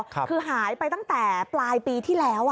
คือหายไปตั้งแต่ปลายปีที่แล้ว